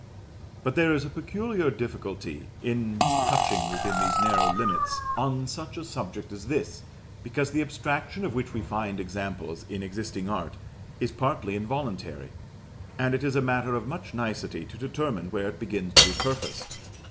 But there is a peculiar difficulty in touching within these narrow limits on such a subject as this, because the abstraction of which we find examples in existing art, is partly involuntary; and it is a matter of much nicety to determine where it begins to be purposed.